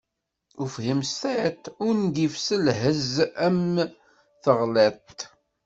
Ufhim s tiṭ, ungif s lhezz am teɣliḍt.